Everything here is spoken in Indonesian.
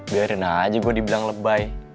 biarin aja gue dibilang lebay